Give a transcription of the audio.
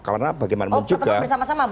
karena bagaimanapun juga oh tetap bersama sama